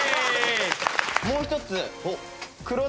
もう一つ。